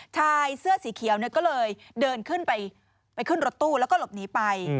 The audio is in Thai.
ชายเสื้อสีเขียวก็เลยเดินขึ้นไปขึ้นรถตู้แล้วก็หลบหนีไป